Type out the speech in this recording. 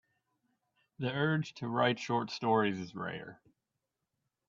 The urge to write short stories is rare.